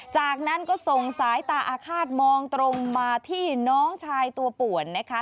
จากนั้นก็ส่งสายตาอาฆาตมองตรงมาที่น้องชายตัวป่วนนะคะ